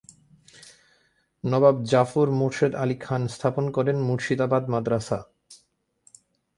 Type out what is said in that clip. নবাব জাফর মোরশেদ আলি খান স্থাপন করেন মুর্শিদাবাদ মাদ্রাসা।